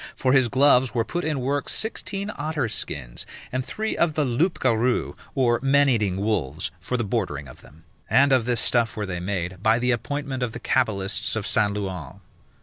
For his gloves were put in work sixteen otters' skins, and three of the loupgarous, or men eating wolves, for the bordering of them: and of this stuff were they made, by the appointment of the Cabalists of Sanlouand.